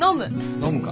飲むか。